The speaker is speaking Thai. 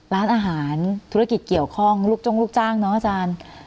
ร้านอาหารธุรกิจเกี่ยวข้องลูกจ้องลูกจ้างเนอะอาจารย์